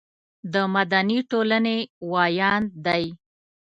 د مدني ټولنې ویاند دی.